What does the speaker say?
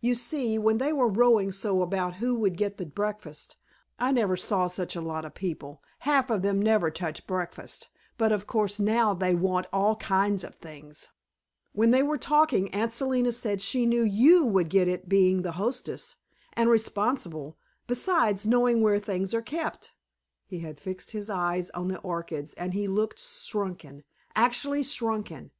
"You see, when they were rowing so about who would get the breakfast I never saw such a lot of people; half of them never touch breakfast, but of course now they want all kinds of things when they were talking, Aunt Selina said she knew YOU would get it, being the hostess, and responsible, besides knowing where things are kept." He had fixed his eyes on the orchids, and he looked shrunken, actually shrunken.